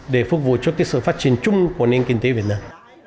để phục vụ cho sự phát triển chung của nền kinh tế việt nam